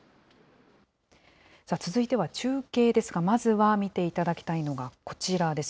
続いては中継ですが、まずは見ていただきたいのが、こちらです。